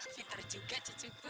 fitur juga cucuku